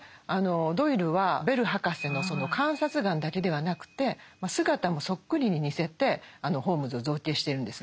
ドイルはベル博士のその観察眼だけではなくて姿もそっくりに似せてホームズを造形してるんですね。